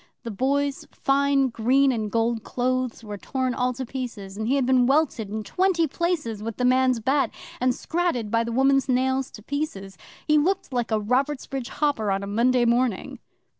The Boy's fine green and gold clothes were torn all to pieces, and he had been welted in twenty places with the man's bat, and scratted by the woman's nails to pieces. He looked like a Robertsbridge hopper on a Monday morning.